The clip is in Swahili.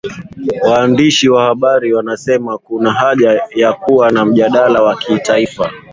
waandishi wa habari wamesema kuna haja ya kuwa na mjadala wa kitaifa